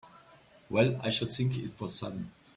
Well I should think it was sudden!